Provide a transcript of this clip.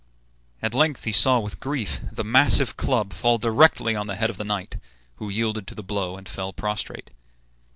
At length he saw with grief the massive club fall directly on the head of the knight, who yielded to the blow, and fell prostrate.